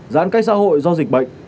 giãn cách xã hội do dịch bệnh